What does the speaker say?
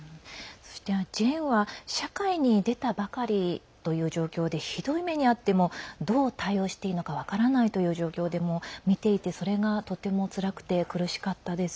ジェーンは社会に出たばかりという状況でひどい目に遭ってもどう対応していいのか分からないという状況でも見ていて、それがとてもつらくて苦しかったです。